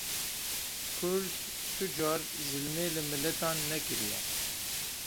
Kurd tu car zilmê li miletan nekiriye